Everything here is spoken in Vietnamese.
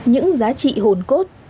những giá trị hồn cốt